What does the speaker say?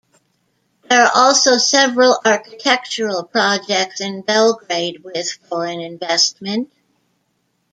There are also several architectural projects in Belgrade with foreign investment.